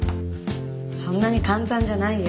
そんなに簡単じゃないよ。